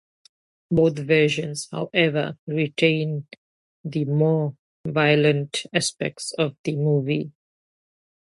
Both versions, however, retain the more violent aspects of the movie.